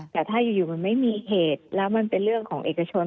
แต่ถ้าอยู่มันไม่มีเหตุแล้วมันเป็นเรื่องของเอกชน